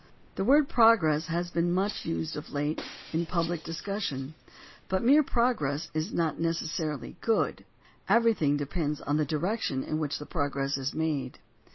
The word "progress" has been much used of late in public discussion, but mere progress is not necessarily good. Everything depends on the direc tion in which the progress is made.